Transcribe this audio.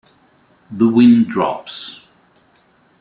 The wind drops.